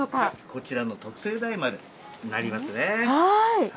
こちらの特製大丸になりますね。